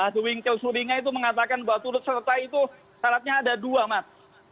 tewing kelsuringa itu mengatakan bahwa turut serta itu syaratnya ada dua mas